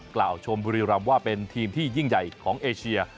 กล่าวชมบุรีรำว่าเป็นทีมที่ยิ่งใหญ่ของเอเชีย